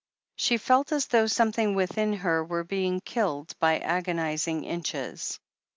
She felt as though something within her were being killed by agonized inches.